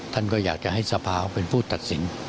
ท่านก็อยากจะให้สภาเป็นผู้ตัดสิน